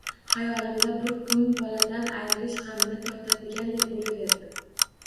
Xayolimda bir kun boladan ayrilish g`amini tortadiganday bo`laverdim